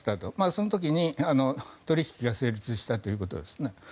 その時に取引が成立したということです。